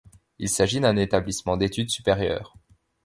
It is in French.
Il s'agit d'un établissement d'études supérieures.